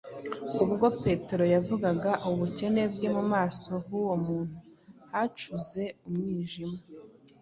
Ubwo Petero yavugaga ubukene bwe, mu maso h’uwo muntu hacuze umwijima;